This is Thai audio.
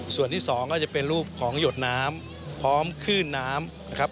ส่วนที่สองก็จะเป็นรูปของหยดน้ำพร้อมขึ้นน้ำนะครับ